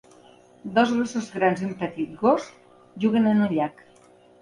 Dos gossos grans i un petit gos juguen en un llac.